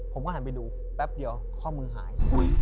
ผมก็หันไปดูแป๊บเดียวข้อมือหาย